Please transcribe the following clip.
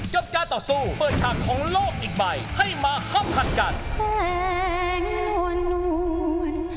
ยอมการต่อสู้เปิดฉากของโลกอีกใบให้มาครับพัดกัน